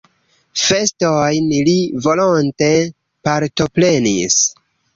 Festojn li volonte partoprenis.